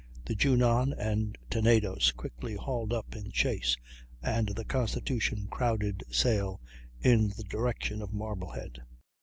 The Junon and Tenedos quickly hauled up in chase, and the Constitution crowded sail in the direction of Marblehead.